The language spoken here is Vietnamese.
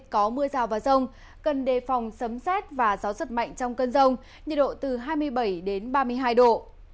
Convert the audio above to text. có mưa rào và rông cần đề phòng sấm xét và gió giật mạnh trong cơn rông nhiệt độ từ hai mươi bảy đến ba mươi hai độ